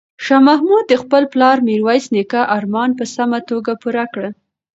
شاه محمود د خپل پلار میرویس نیکه ارمان په سمه توګه پوره کړ.